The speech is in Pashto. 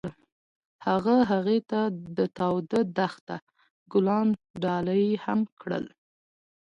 هغه هغې ته د تاوده دښته ګلان ډالۍ هم کړل.